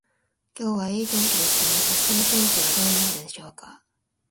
今日はいい天気ですね。明日の天気はどうなるでしょうか。